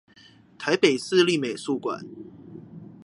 臺北市立美術館